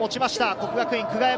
國學院久我山。